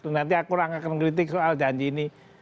nanti aku kurang akan kritik soal janji ini